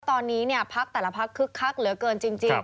ตอนนี้พักแต่ละพักคึกคักเหลือเกินจริง